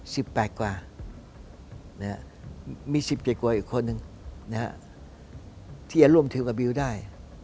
มี๑๗กว่าอีกคนหนึ่งที่จะร่วมทีมอาร์บิลได้